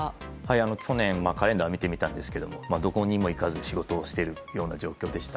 去年、カレンダーを見てみたんですがどこにも行かずに仕事をしている状況でした。